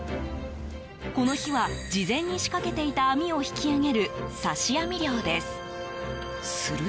この日は事前に仕掛けていた網を引き揚げる、刺し網漁です。